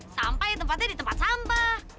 sampah ya tempatnya di tempat sampah